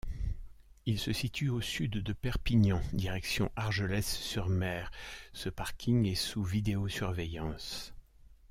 Il se situe au Sud de Perpignan, direction Argelès-sur-Mer, ce parking est sous vidéosurveillance.